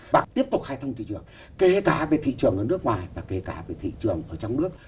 bạc tiếp tục khai thông thị trường kể cả về thị trường ở nước ngoài và kể cả về thị trường ở trong nước